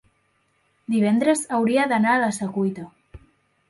divendres hauria d'anar a la Secuita.